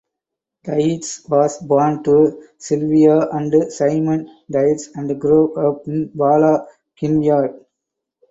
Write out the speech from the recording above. Dietz was born to Sylvia and Simon Dietz and grew up in Bala Cynwyd.